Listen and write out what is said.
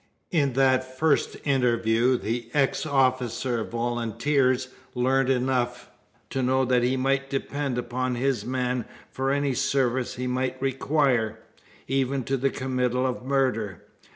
In that first interview, the ex officer volunteers learnt enough, to know that he might depend upon his man for any service he might require even to the committal of murder.